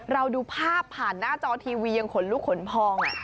ดูภาพผ่านหน้าจอทีวียังขนลุกขนพอง